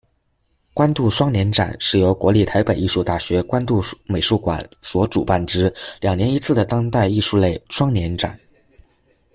关渡双年展是由国立台北艺术大学关渡美术馆所主办之两年一次的当代艺术类双年展。